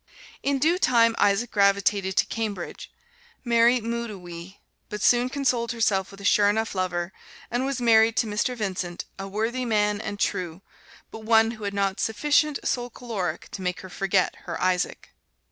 In due time Isaac gravitated to Cambridge. Mary mooed a wee, but soon consoled herself with a sure enough lover, and was married to Mr. Vincent, a worthy man and true, but one who had not sufficient soul caloric to make her forget her Isaac.